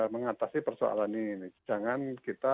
mengatasi persoalan ini jangan kita